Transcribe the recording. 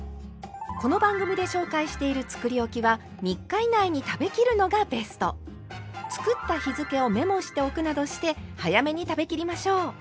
この番組で紹介しているつくりおきは３日以内に食べきるのがベスト。などして早めに食べきりましょう。